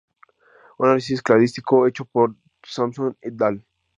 Un análisis cladístico hecho por Sampson "et al.